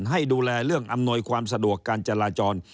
ให้ดูแลเรื่องอำนวยความสะดวกการจราจร